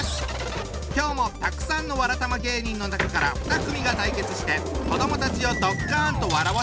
今日もたくさんのわらたま芸人の中から２組が対決して子どもたちをドッカンと笑わせちゃうぞ！